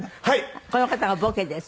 この方がボケです。